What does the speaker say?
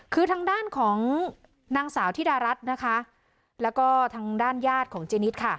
คือทางด้านของนางสาวธิดารัฐนะคะแล้วก็ทางด้านญาติของเจนิดค่ะ